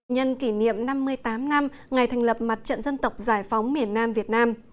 nhân kỷ niệm năm mươi tám năm ngày thành lập mặt trận dân tộc giải phóng miền nam việt nam